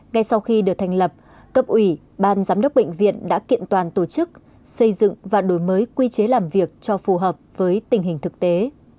ngay sau khi được thành lập cấp ủy ban giám đốc bệnh viện đã kiện toàn tổ chức xây dựng và đổi mới quy chế làm việc cho phù hợp với tình hình thực tế